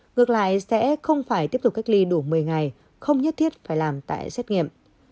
ngược lại sẽ không phải tiếp tục cách ly đủ một mươi ngày không nhất thiết phải làm tại xét nghiệm